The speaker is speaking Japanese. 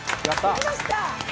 できました！